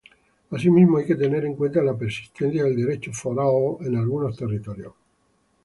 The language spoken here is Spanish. Asimismo hay que tener en cuenta la persistencia del derecho foral en algunos territorios.